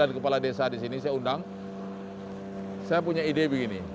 ada kepala desa di sini saya undang saya punya ide begini